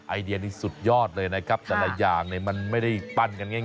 ไอเดียนี้สุดยอดเลยนะครับแต่ละอย่างเนี่ยมันไม่ได้ปั้นกันง่าย